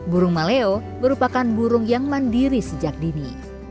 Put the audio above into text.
burung maleo merupakan burung yang mandiri sejak dini